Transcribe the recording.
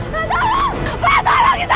sustan bantu lupa sustan aja gini sustan